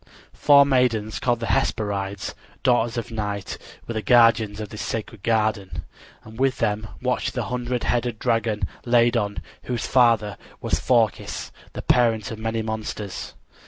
Four maidens called the Hesperides, daughters of Night, were the guardians of this sacred garden, and with them watched the hundred headed dragon, Ladon, whose father was Phorkys, the parent of many monsters.